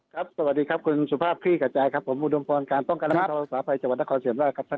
ครับสวัสดีครับคุณสุภาพพี่กับใจครับผมอุดมพรการต้องการรับโทรศาสตร์ภัยจังหวัดนครศรีธรรมราชครับ